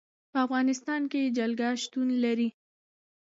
په افغانستان کې جلګه شتون لري.